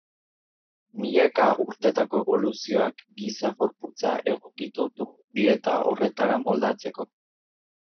Milaka urtetako eboluzioak giza gorputza egokitu du dieta horretara moldatzeko.